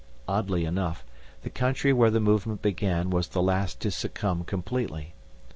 Oddly enough, the country where the movement began was the last to succumb completely.